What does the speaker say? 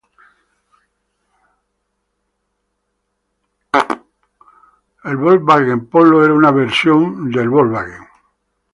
El Chrysler Laser era una versión de lujo del Daytona.